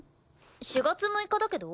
４月６日だけど？